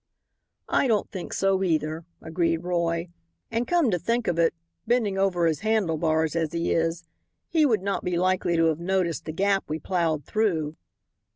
"I don't think so, either," agreed Roy, "and come to think of it, bending over his handlebars as he is, he would not be likely to have noticed the gap we ploughed through."